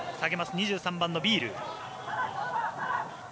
２３番のビール。